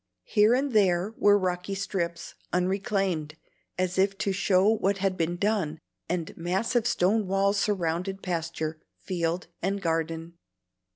Here and there were rocky strips unreclaimed, as if to show what had been done; and massive stone walls surrounded pasture, field, and garden.